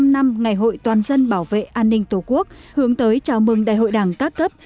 bảy mươi năm năm ngày hội toàn dân bảo vệ an ninh tổ quốc hướng tới chào mừng đại hội đảng các cấp